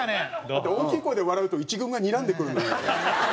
だって大きい声で笑うと１軍がにらんでくるんだもん。